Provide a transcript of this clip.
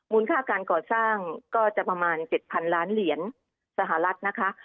ค่าการก่อสร้างก็จะประมาณ๗๐๐ล้านเหรียญสหรัฐนะคะ